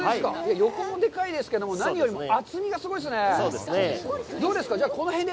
横もでかいですけれども、何よりも厚みがすごいですね。